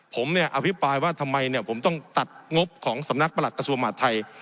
ผมเนี่ยอภิปรายว่าทำไมเนี่ยผมต้องตัดงบของสำนักประหลักกระทรวงมหาดไทย